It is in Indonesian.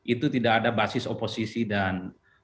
itu tidak ada basis oposisi dan